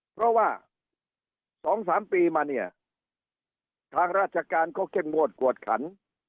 เพราะว่า๒๓ปีมาเนี่ยทางราชการเขาเข้มงวดกวดขัน